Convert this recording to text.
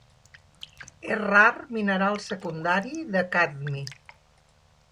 És rar mineral secundari de cadmi.